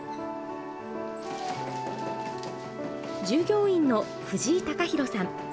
従業員の藤井貴寛さん。